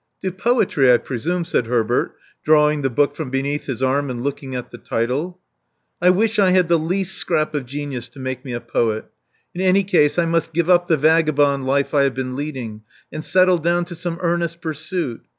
To poetry, I presume," said Herbert, drawing the book from beneath his arm and looking at the title. I wish I had the least scrap of genius to make me a poet. In any case I must give up the vagabond life I have been leading, and settle down to some earnest pursuit.